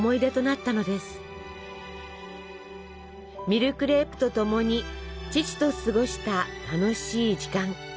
ミルクレープとともに父と過ごした楽しい時間。